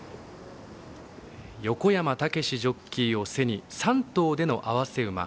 横山武史ジョッキーを背に３頭での併せ馬。